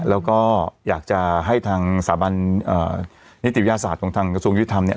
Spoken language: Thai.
แล้วก็อยากจะให้ทางสาบันนิติวิทยาศาสตร์ของทางกระทรวงยุติธรรมเนี่ย